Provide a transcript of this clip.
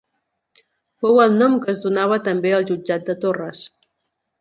Fou el nom que es donava també al Jutjat de Torres.